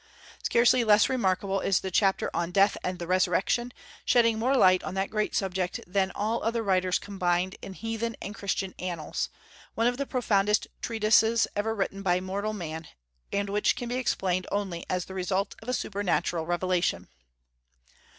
Scarcely less remarkable is the chapter on death and the resurrection, shedding more light on that great subject than all other writers combined in heathen and Christian annals, one of the profoundest treatises ever written by mortal man, and which can be explained only as the result of a supernatural revelation.